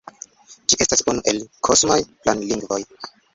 Ĝi estas unu el "kosmaj planlingvoj".